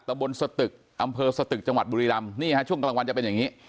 ตะบนสตึกอำเภอสตึกจังหวัดบุรีรำนี่ฮะช่วงกลางวันจะเป็นอย่างนี้